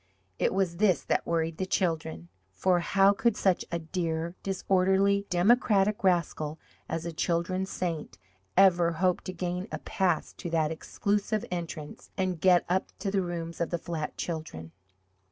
It was this that worried the children. For how could such a dear, disorderly, democratic rascal as the children's saint ever hope to gain a pass to that exclusive entrance and get up to the rooms of the flat children?